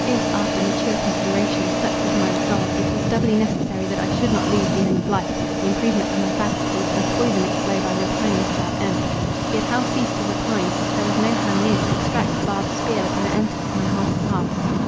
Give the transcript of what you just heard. If, after mature consideration, such was my resolve, it was doubly necessary that I should not lose the end of life, the improvement of my faculties, and poison its flow by repinings without end. Yet how cease to repine, since there was no hand near to extract the barbed spear that had entered my heart of hearts?